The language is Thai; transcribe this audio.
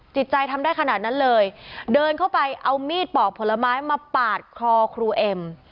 จิตใจทำได้ขนาดนั้นเลยเดินเข้าไปเอามีดปอกผลไม้มาปาดคอครูเอ็ม